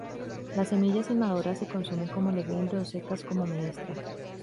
Las semillas inmaduras se consumen como legumbre o secas como menestra.